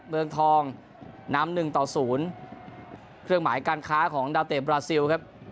เมืองทองนำหนึ่งต่อศูนย์เครื่องหมายการค้าของดาวเตะบราซิลครับ